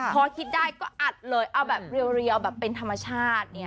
พอคิดได้ก็อัดเลยเอาแบบเรียวแบบเป็นธรรมชาติ